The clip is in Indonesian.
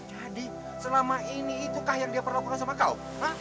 jadi selama ini itukah yang dia pernah perasa sama kau